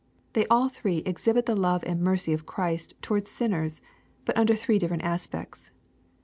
They all three exhibit the love and mercy of Christ towards sinners, but under three different aspects.